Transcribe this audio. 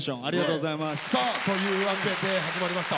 というわけで始まりました